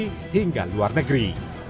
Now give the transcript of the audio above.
sehingga luar negeri